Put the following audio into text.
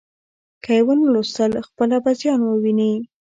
که یې ونه ولوستل، خپله به زیان وویني.